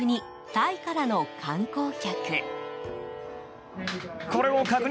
タイからの観光客。